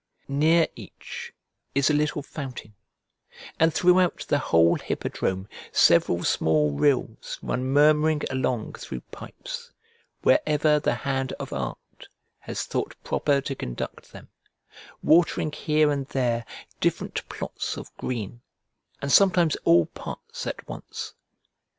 Near each is a little fountain, and throughout the whole hippodrome several small rills run murmuring along through pipes, wherever the hand of art has thought proper to conduct them, watering here and there different plots of green, and sometimes all parts at once.